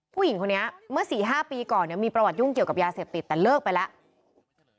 ผู้หญิงคนนี้เมื่อ๔๕ปีก่อนเนี่ยมีประวัติยุ่งเกี่ยวกับยาเสพติดแต่เลิกไปแล้ว